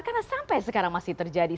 karena sampai sekarang masih terjadi